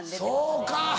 そうか！